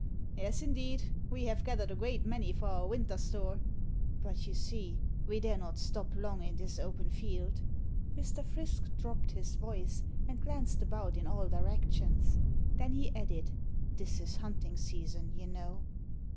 "Yes, indeed. We have gathered a great many for our winter store. But you see we dare not stop long in this open field." Mr. Frisk dropped his voice and glanced about in all directions. Then he added, "This is hunting season, you know."